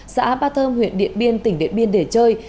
xã ba thơm huyện điện biên tỉnh điện biên để chơi